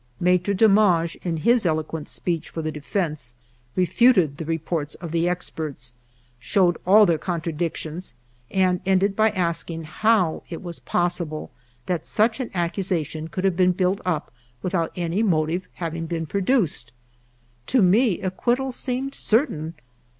Maitre Demange, in his eloquent speech for the defence, refuted the reports of the experts, showed all their contradictions, and ended by asking how it was " possible that such an accu sation could have been built up without any motive having been produced." To me acquittal seemed certain.